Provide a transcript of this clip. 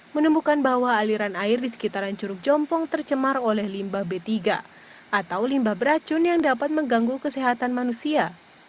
menemukan bahwa aliran air di sekitaran curug jompong tercemar oleh limbah b tiga atau limbah beracun yang dapat mengganggu kesehatan manusia